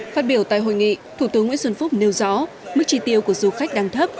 phát biểu tại hội nghị thủ tướng nguyễn xuân phúc nêu rõ mức chi tiêu của du khách đang thấp